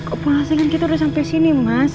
kok pulang sehingga kita udah sampai sini mas